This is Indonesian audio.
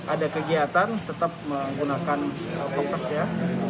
ada kegiatan tetap menggunakan prokes ya